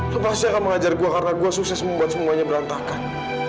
lo pasti akan mengajar gue karena gue sukses membuat semuanya berantakan